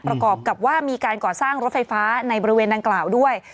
ประกอบกับว่ามีการก่อสร้างรถไฟฟ้าในบริเวณดังกล่าวด้วย